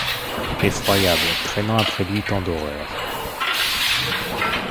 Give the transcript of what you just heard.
Effroyable, traînant après lui tant d’horreur